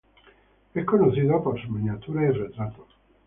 Es conocida por sus miniaturas y retratos.